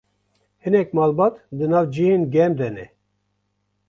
hinek malbat di nav cihên germ de ne